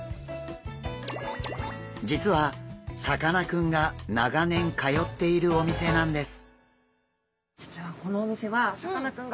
実はさかなクンが長年通っているお店なんです。